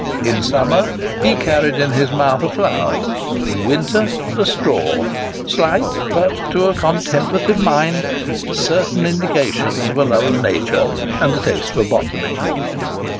In summer he carried in his mouth a flower ; in winter, a straw slight, but to a contemplative mind, certain indications of a love of nature, and a taste for botany.